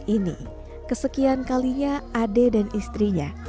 ini kesekian kalinya ade dan istrinya